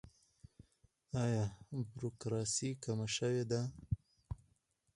آیا بروکراسي کمه شوې ده؟